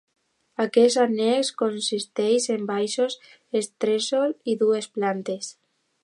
Aquest annex consisteix en baixos, entresòl i dues plantes.